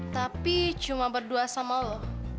tapi cuma berdua sama allah